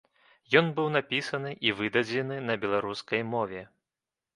Ён быў напісаны і выдадзены на беларускай мове.